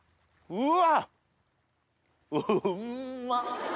うわ！